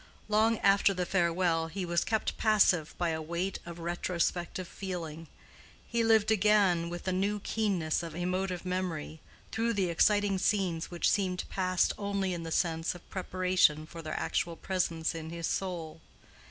Long after the farewell he was kept passive by a weight of retrospective feeling. He lived again, with the new keenness of emotive memory, through the exciting scenes which seemed past only in the sense of preparation for their actual presence in his soul.